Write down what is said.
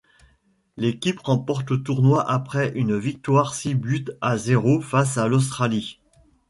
L'équipe remporte le tournoi après une victoire six buts à zéro face à l'Australie.